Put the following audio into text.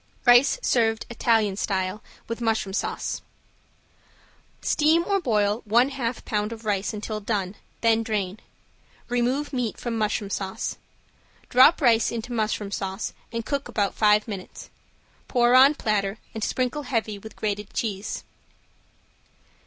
~RICE SERVED IN ITALIAN STYLE WITH MUSHROOM SAUCE~ Steam or boil one half pound of rice until done, then drain. Remove meat from mushroom sauce. Drop rice into mushroom sauce and cook about five minutes. Pour on platter and sprinkle heavy with grated cheese.